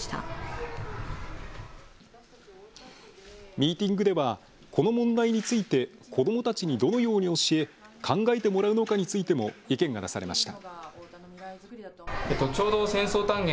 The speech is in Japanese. ミーティングではこの問題について子どもたちにどのように教え、考えてもらうのかについても意見が出されました。